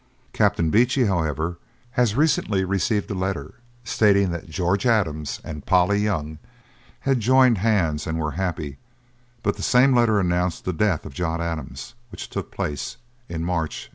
Captain Beechey, however, has recently received a letter, stating that George Adams and Polly Young had joined hands and were happy; but the same letter announced the death of John Adams, which took place in March 1829.